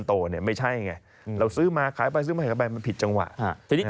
แต่นี่จะทำยังไงแหละครูแพทย์